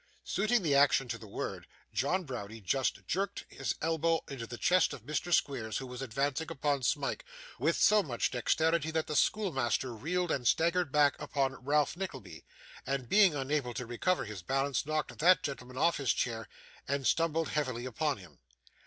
Suiting the action to the word, John Browdie just jerked his elbow into the chest of Mr. Squeers who was advancing upon Smike; with so much dexterity that the schoolmaster reeled and staggered back upon Ralph Nickleby, and being unable to recover his balance, knocked that gentleman off his chair, and stumbled heavily upon him.